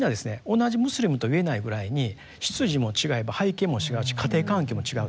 同じムスリムと言えないぐらいに出自も違えば背景も違うし家庭環境も違うと。